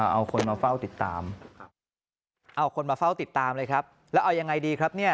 เอาคนมาเฝ้าติดตามเลยครับแล้วเอายังไงดีครับเนี่ย